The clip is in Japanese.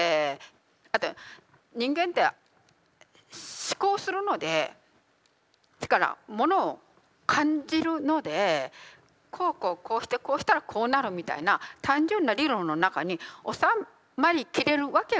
だって人間って思考するのでものを感じるのでこうこうこうしてこうしたらこうなるみたいな単純な理論の中に収まりきれるわけが全然ないんですよ。